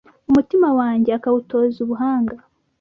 umutima wanjye akawutoza ubuhanga,